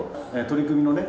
取り組みのね